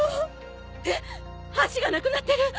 えっ橋がなくなってる！